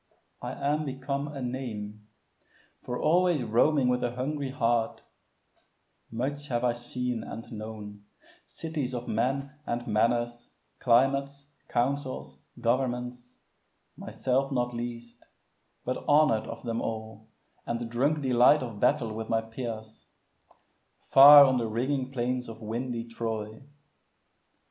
I am become a name; For always roaming with a hungry heart Much have I seen and known, cities of men And manners, climates, councils, governments, Myself not least, but honor'd of them all, And drunk delight of battle with my peers, Far on the ringing plains of windy Troy.